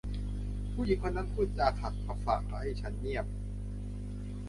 ผู้หญิงคนนั้นพูดจากักขฬะให้ฉันเงียบ